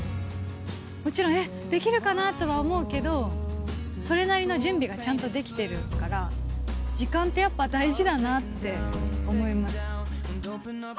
もちろん、え、できるかなとは思うけど、それなりの準備がちゃんとできてるから、時間ってやっぱ大事だなって思います。